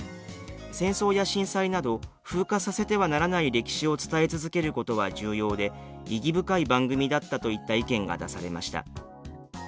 戦争や震災など風化させてはならない歴史を伝え続けることは重要で意義深い番組だった」といった意見が出されました。